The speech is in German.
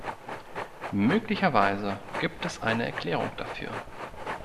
Möglicherweise gibt es eine Erklärung dafür.